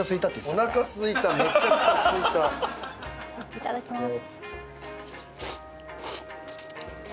いただきます。